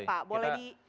oke pak boleh di